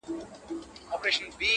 څه دي راوکړل د قرآن او د ګیتا لوري!!